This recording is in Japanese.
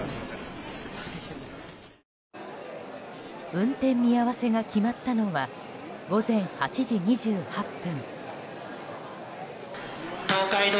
運転見合わせが決まったのは午前８時２８分。